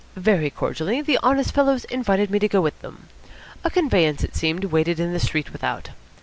Very cordially the honest fellows invited me to go with them. A conveyance, it seemed, waited in the street without.